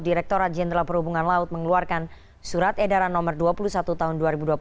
direkturat jenderal perhubungan laut mengeluarkan surat edaran nomor dua puluh satu tahun dua ribu dua puluh satu